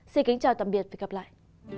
xin kính chào tạm biệt và gặp lại